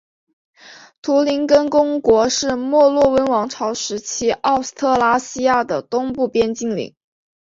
图林根公国是墨洛温王朝时期奥斯特拉西亚的东部边境领。